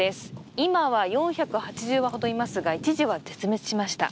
今は４８０羽ほどいますが、一時は絶滅しました。